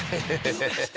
ハハハハ。